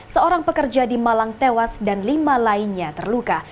seorang pekerja di malang tewas dan lima lainnya terluka